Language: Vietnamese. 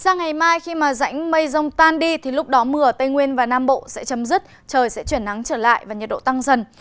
nếu rãnh mây rông tan đi thì lúc đó mưa ở tây nguyên và nam bộ sẽ chấm dứt trời sẽ chuyển nắng trở lại và nhiệt độ tăng dần